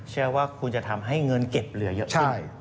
เชื่อว่าคุณจะทำให้เงินเก็บเหลือเยอะขึ้น